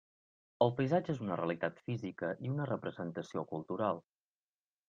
El paisatge és una realitat física i una representació cultural.